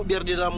tidak kayak mu